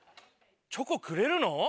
チョコくれるの？